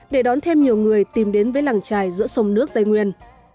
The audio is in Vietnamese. để đón thêm nhiều người tìm đến với làng trài giữa sông nước tây nguyên